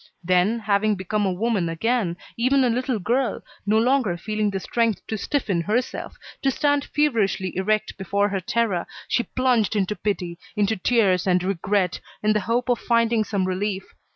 Then, having become a woman again, even a little girl, no longer feeling the strength to stiffen herself, to stand feverishly erect before her terror, she plunged into pity, into tears and regret, in the hope of finding some relief.